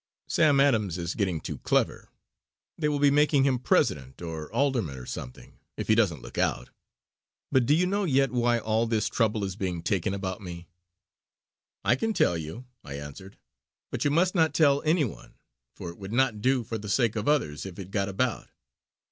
"Sam Adams is getting too clever. They will be making him President, or Alderman or something, if he doesn't look out. But do you know yet why all this trouble is being taken about me." "I can tell you," I answered "but you must not tell any one, for it would not do for the sake of others if it got about.